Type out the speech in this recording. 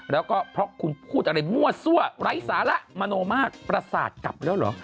แล้วก็เพราะคุณพูดอะไรมั่วซั่วไร้สาระมโนมากประสาทกลับแล้วเหรอ